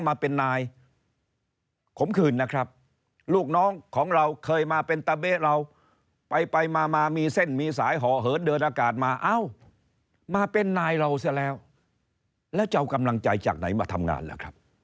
มาเป็นตะเบ๊บเราไปไปมามีเส้นมีสายเหาะเหิดเดินนากาศมาอ้าวมาเป็นนายเราเสียแล้วและเจ้ากำลังใจจากไหนมาทำงานล่ะครับ